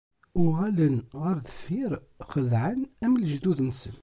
Uɣalen ɣer deffir, xedɛen am lejdud-nsen.